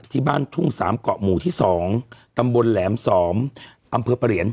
ที่บ้านทุ่ง๓เกาะหมู่ที่๒ตำบลแหลม๒อำเภอประเหรียญ